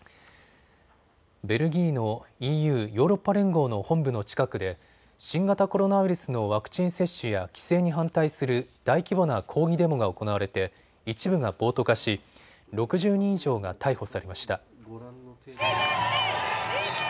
ベルギーのＥＵ・ヨーロッパ連合の本部の近くで新型コロナウイルスのワクチン接種や規制に反対する大規模な抗議デモが行われて一部が暴徒化し６０人以上が逮捕されました。